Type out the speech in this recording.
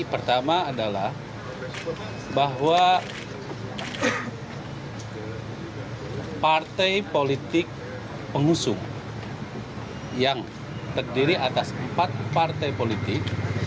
pertama adalah bahwa partai politik pengusung yang terdiri atas empat partai politik